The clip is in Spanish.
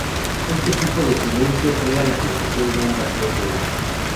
Este tipo de silencio crea la sensación de un vacío tenso.